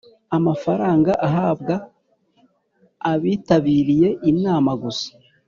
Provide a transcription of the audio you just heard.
Amafaranga ahabwa abitabiriye inama gusa